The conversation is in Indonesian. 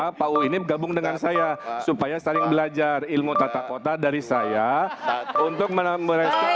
bapak u ini gabung dengan saya supaya saling belajar ilmu tata kota dari saya untuk merespon